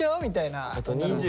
みたいな。